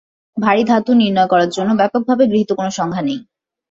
ভারী ধাতু নির্ণয় করার জন্য ব্যাপকভাবে গৃহীত কোন সংজ্ঞা নেই।